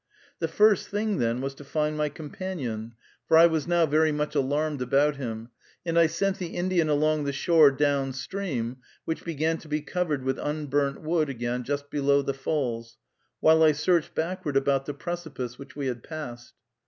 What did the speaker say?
The first thing then was to find my companion, for I was now very much alarmed about him, and I sent the Indian along the shore down stream, which began to be covered with unburnt wood again just below the falls, while I searched backward about the precipice which we had passed.